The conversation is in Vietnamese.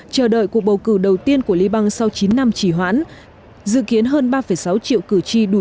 chờ đợi cuộc bầu cử đầu tiên của liban sau chín năm chỉ hoãn dự kiến hơn ba sáu triệu cử tri đủ